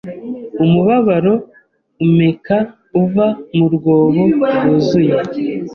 umubabaro umeka uva mu rwobo rwuzuye